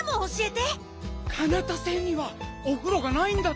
カナタ星にはおふろがないんだって。